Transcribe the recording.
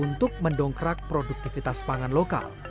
untuk mendongkrak produktivitas pangan lokal